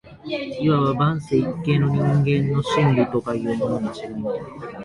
謂わば万世一系の人間の「真理」とかいうものに違いない